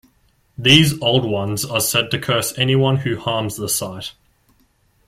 These "Old Ones" are said to curse anyone who harms the site.